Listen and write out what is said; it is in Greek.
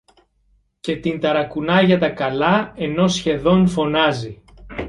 και την ταρακουνάει για τα καλά ενώ σχεδόν φωνάζει